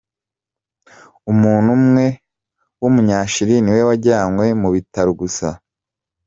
Umuntu umwe w’umnya Chili niwe wajyanwe mu bitaro gusa .